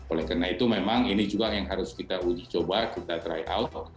oleh karena itu memang ini juga yang harus kita uji coba kita tryout